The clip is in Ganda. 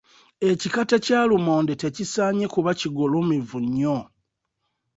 Ekikata kya lumonde tekisaanye kuba kigulumivu nnyo.